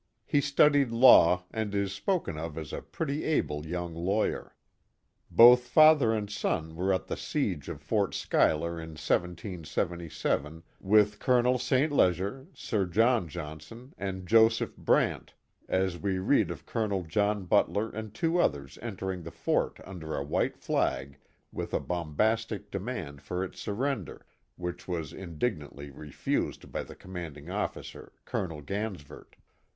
He studied law, and is spoken of as a pretty able young lawyer. Both father and son were at the siege of Fort Schuyler in 1777, with Colonel St, Leger, Sir John Johnson, and Joseph Brant, as we read of Colonel John Butler and two others entering the fort under a white flag with a bombastic demand for its surrender, which was indignantly refused by the commanding officer. Colonel Gansevoort.